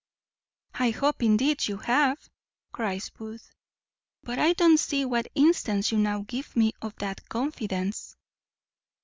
"I hope, indeed, you have," cries Booth, "but I don't see what instance you now give me of that confidence."